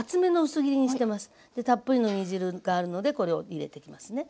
でたっぷりの煮汁があるのでこれを入れていきますね。